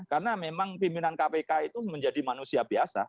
karena memang pimpinan kpk itu menjadi manusia biasa